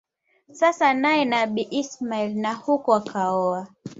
sasa naye Nabii Ismail na huko akaoa